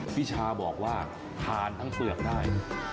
พี่ชาบอกว่าทานทั้งเปลือกได้